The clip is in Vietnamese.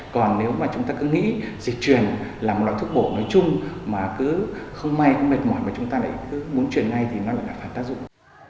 còn nếu mà chúng ta cứ nghĩ dịch truyền là một loại thuốc bổ nói chung mà cứ không may mệt mỏi mà chúng ta lại cứ muốn truyền ngay thì nó lại là phản tác dụng